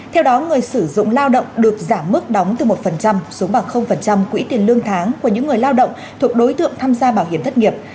theo đó người sử dụng lao động được giảm mức đóng từ một xuống bằng quỹ tiền lương tháng của những người lao động thuộc đối tượng tham gia bảo hiểm thất nghiệp